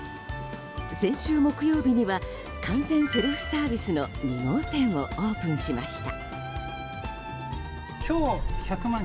先週木曜日には完全セルフサービスの２号店をオープンしました。